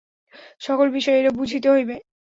সকল বিষয়ে এইরূপ বুঝিতে হইবে।